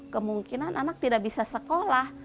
kemungkinan anak tidak bisa sekolah